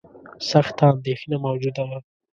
سخته اندېښنه موجوده وه.